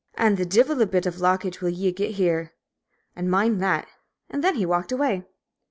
An' the divil a bit of lockage will ye git here, an' mind that!" And then he walked away.